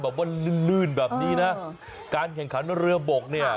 ว่าลื่นลื่นแบบนี้นะการแข่งขันเรือบกเนี่ย